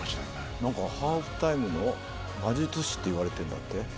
何か、ハーフタイムの魔術師と言われているんだって。